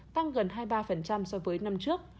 tăng gần hai mươi ba so với năm trước